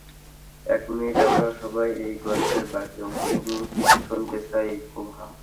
এক মিনিট, আমরা সবাই এই গল্পের বাকি অংশটুকু শুনতে চাই, কোডা।